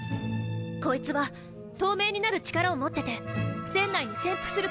こいつは透明になる力を持ってて船内に潜伏するつもり。